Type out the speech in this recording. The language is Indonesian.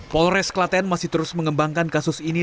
polres kelaten masih terus mengembangkan kasus ini